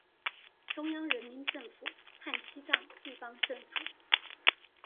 中央人民政府和西藏地方政府